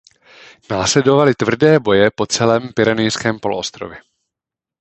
Následovali tvrdé boje po celém Pyrenejském poloostrově.